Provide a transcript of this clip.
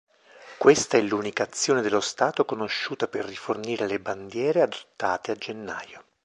Questa è l'unica azione dello stato conosciuta per rifornire le bandiere adottate a gennaio.